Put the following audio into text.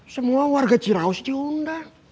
semua warga ciraus diundang